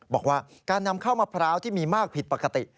บอกว่าการนำเข้ามะพร้าวที่มีมากผิดปกติ